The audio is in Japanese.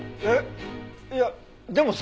いやでもさ